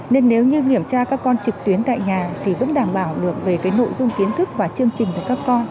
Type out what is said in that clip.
nên nếu như kiểm tra các con trực tuyến tại nhà thì vẫn đảm bảo được về cái nội dung kiến thức và chương trình của các con